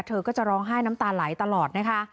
เธอก็จะร้องไห้น้ำตาไหลตลอดนะคะ